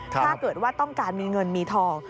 ถ้าเกิดว่าต้องการมีเงินมีทอง